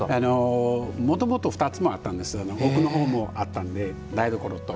もともと２つもあったんですが奥のほうもあったんで台所と。